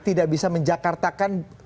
tidak bisa menjakartakan tujuh belas